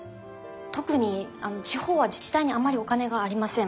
特に地方は自治体にあまりお金がありません。